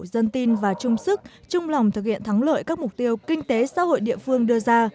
dân tin và chung sức chung lòng thực hiện thắng lợi các mục tiêu kinh tế xã hội địa phương đưa ra